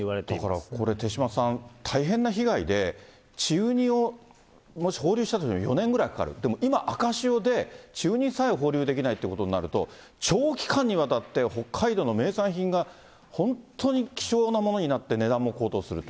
だからこれ、手嶋さん、大変な被害で、稚ウニをもし放流したとしても、４年ぐらいかかる、でも今、赤潮で、稚ウニさえ放流できないということになると、長期間にわたって、北海道の名産品が本当に希少なものになって、値段も高騰すると。